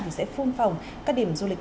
thì sẽ phun phòng các điểm du lịch